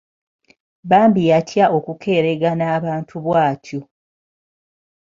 Bambi yatya okukeeragana abantu bw'atyo.